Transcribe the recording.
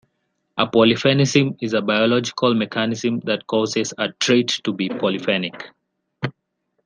A polyphenism is a biological mechanism that causes a trait to be polyphenic.